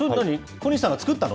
小西さんが作ったの？